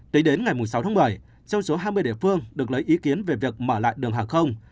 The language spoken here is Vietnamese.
tính đến ngày sáu tháng bảy trong số hai mươi địa phương được lấy ý kiến về việc mở lại đường hàng không